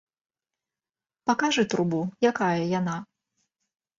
Пакажы трубу, якая яна!